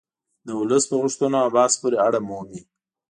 د ولس په غوښتنو او بحث پورې اړه مومي